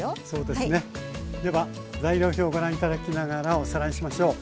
では材料表をご覧頂きながらおさらいしましょう。